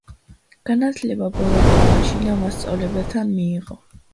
განათლება ბოლოტოვმა შინა მასწავლებელთან მიიღო.